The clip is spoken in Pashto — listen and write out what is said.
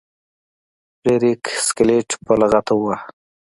فلیریک سکلیټ په لغته وواهه.